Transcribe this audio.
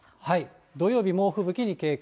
土曜日、猛吹雪に警戒。